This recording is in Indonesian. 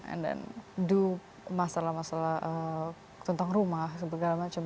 and do masalah masalah tentang rumah dan segala macam